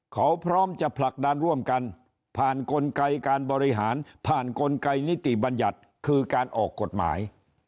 เขาพร้อมจะผลักดันร่วมกันผ่านกลไกการบริหารผ่านกลไกนิติบัญญัติคือการออกกฎหมาย